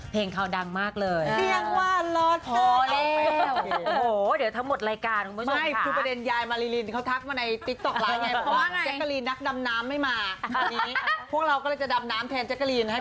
เพลงเขาดังมากเลยเดี๋ยวทั้งหมดรายการคุณผู้ชมค่ะไม่คุณประเด็นยายมาริลินเขาทักมาในติ๊กต๊อกล้างไหนเพราะว่าแจ๊กเกอรีนนักดำน้ำไม่มาพวกเราก็เลยจะดำน้ำแทนแจ๊กเกอรีนให้กัน